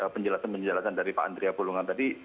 penjelasan penjelasan dari pak andrea pulungan tadi